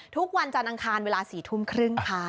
ทุกวันจันทร์อังคารเวลา๔ทุ่มครึ่งค่ะ